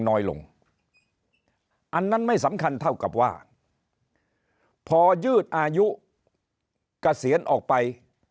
น้อยลงอันนั้นไม่สำคัญเท่ากับว่าพอยืดอายุเกษียณออกไป